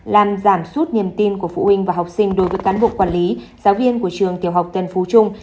làm giảm sút niềm tin của phụ huynh và học sinh đối với cán bộ quản lý giáo viên của trường tiểu học tân phú trung